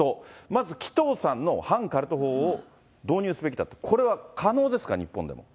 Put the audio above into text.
まず紀藤さんの反カルト法を導入すべきだと、これは可能ですか？